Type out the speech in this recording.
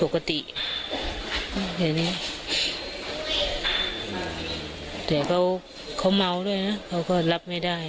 ปกติแต่เขาเมาด้วยนะเขาก็รับไม่ได้